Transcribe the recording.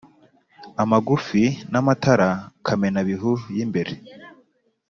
amagufi n’amatara kamenabihu y’imbere